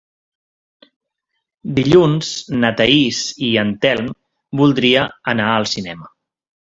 Dilluns na Thaís i en Telm voldria anar al cinema.